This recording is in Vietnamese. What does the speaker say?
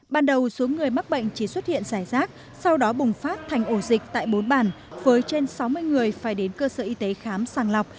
ban đầu số người mắc bệnh chỉ xuất hiện rải rác sau đó bùng phát thành ổ dịch tại bốn bàn với trên sáu mươi người phải đến cơ sở y tế khám sàng lọc